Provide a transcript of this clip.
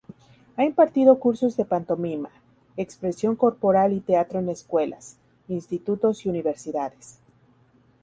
Ha impartido cursos de pantomima, expresión corporal y teatro en escuelas, institutos y universidades.